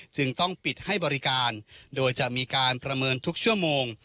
จึงต้องปิดให้บริการโดยจะมีการประเมินทุกชั่วโมง